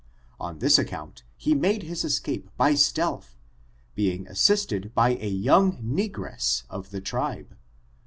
On this account he made his escape by stealth, being assisted by a young negress of the tribe.